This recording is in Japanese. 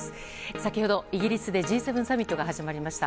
先ほどイギリスでＧ７サミットが始まりました。